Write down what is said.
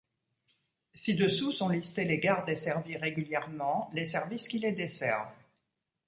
Ci-dessous sont listées les gares desservies régulièrement, les services qui les desservent.